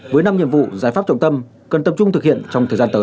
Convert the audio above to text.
với năm nhiệm vụ giải pháp trọng tâm cần tập trung thực hiện trong thời gian tới